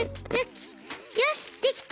よしできた！